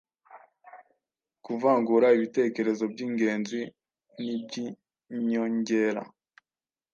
Kuvangura ibitekerezo by’ingenzi n’iby’inyongera.